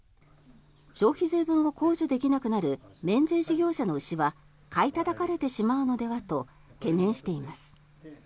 消費税分を控除できなくなる免税事業者の牛は買いたたかれてしまうのではと懸念しています。